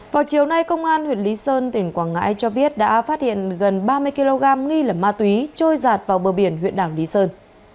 vào chiều nay công an huyện lý sơn tỉnh quảng ngãi cho biết đã phát hiện gần ba mươi kg nghi lẩm ma túy trôi giạt vào bờ biển huyện đảo lý sơn